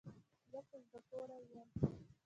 زه په زړه پوری یم